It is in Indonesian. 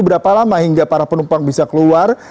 berapa lama hingga para penumpang bisa keluar